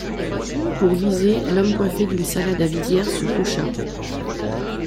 Pour viser, l'homme coiffé d'une salade à visière se coucha.